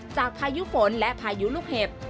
พายุฝนและพายุลูกเห็บ